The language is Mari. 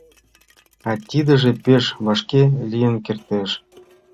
А тидыже пеш вашке лийын кертеш.